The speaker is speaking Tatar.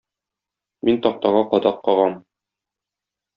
Мин тактага кадак кагам.